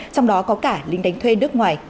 trong đó có cả lính đánh thuê nước ngoài